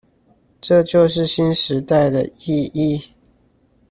這就是新時代的意義